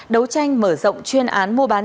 đấu tranh mở rộng chuyên án mua bán trang